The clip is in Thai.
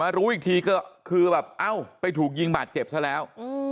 รู้อีกทีก็คือแบบเอ้าไปถูกยิงบาดเจ็บซะแล้ว